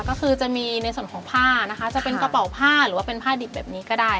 ก็คือจะมีในส่วนของผ้านะคะจะเป็นกระเป๋าผ้าหรือว่าเป็นผ้าดิบแบบนี้ก็ได้